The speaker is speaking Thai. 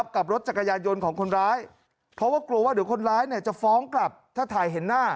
กับรถจักรยานยนต์ของคนร้ายเพราะว่ากลัวว่าเดี๋ยวคนร้ายจะฟ้องกลับถ้าถ่ายเห็นหน้า